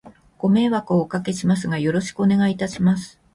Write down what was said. ご迷惑をお掛けしますが、よろしくお願いいたします。